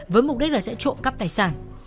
với mục đích là sẽ trộm cắp tài sản